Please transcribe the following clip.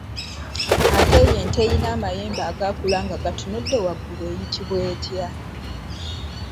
Ate yo ente erina amayembe agaakula nga gatunudde waggulu gayitibwa?